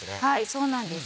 そうなんです